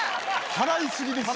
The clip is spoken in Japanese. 払いすぎですよ。